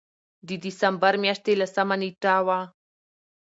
د دسمبر مياشتې لسمه نېټه وه